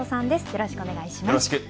よろしくお願いします。